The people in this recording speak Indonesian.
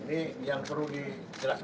pengeniz starts beras kureosamade ini